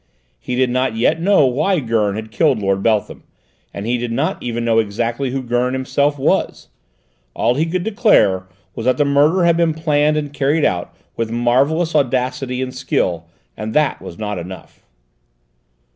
He did not yet know why Gurn had killed Lord Beltham, and he did not even know exactly who Gurn himself was; all he could declare was that the murder had been planned and carried out with marvellous audacity and skill, and that was not enough.